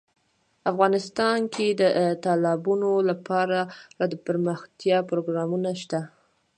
افغانستان کې د تالابونه لپاره دپرمختیا پروګرامونه شته.